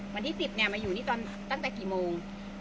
วันที่สิบเนี่ยมาอยู่นี่ตั้งแต่กี่โมง